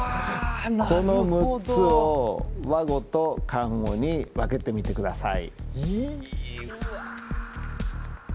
この６つを和語と漢語に分けてみてください。